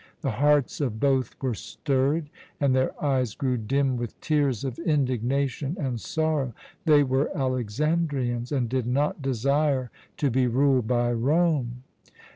The hearts of both were stirred, and their eyes grew dim with tears of indignation and sorrow. They were Alexandrians, and did not desire to be ruled by Rome.